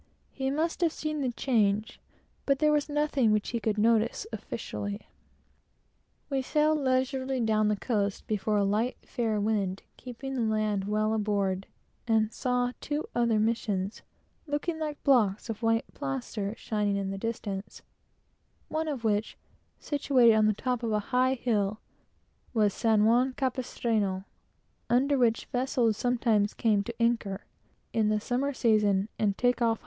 He must have seen the change, but there was nothing which he could notice officially. We sailed leisurely down the coast before a light fair wind, keeping the land well aboard, and saw two other missions, looking like blocks of white plaster, shining in the distance; one of which, situated on the top of a high hill, was San Juan Campestrano, under which vessels sometimes come to anchor, in the summer season, and take off hides.